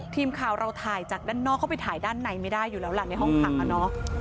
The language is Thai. ทีมข่าวเราถ่ายจากด้านนอกเข้าไปถ่ายด้านในไม่ได้อยู่แล้วล่ะในห้องขังอ่ะเนอะ